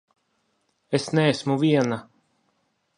Es neesmu viena!